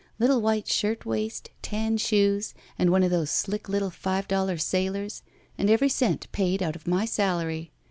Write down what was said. Little white shirt waist, tan shoes, and one of those slick little five dollar sailors, and every cent paid out of my salary.